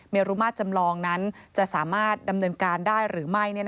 เมรุมาตรจำลองนั้นจะสามารถดำเนินการได้หรือไม่